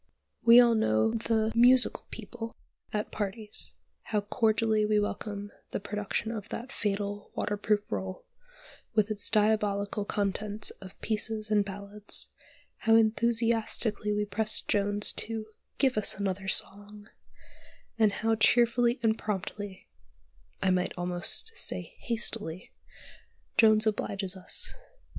We all know the "musical people" at parties; how cordially we welcome the production of that fatal waterproof roll, with its diabolical contents of "pieces" and "ballads;" how enthusiastically we press Jones to "give us another song," and how cheerfully and promptly (I might almost say "hastily") Jones obliges us.